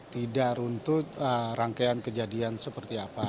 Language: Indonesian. tidak runtut rangkaian kejadian seperti apa